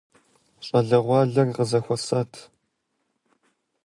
ЩӀалэгъуалэр къызэхуэсат.